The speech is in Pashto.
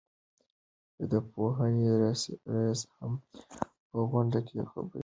د پوهنې رئيس هم په غونډه کې خبرې وکړې.